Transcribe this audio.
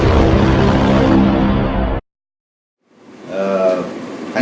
ขึ้นก็แม่ง